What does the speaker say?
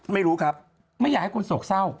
ไม่รู้ครับไม่อยากให้คนโศกเศร้า